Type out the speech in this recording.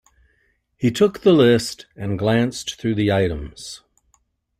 He took the list and glanced through the items.